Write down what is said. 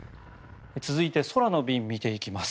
続いて空の便を見ていきます。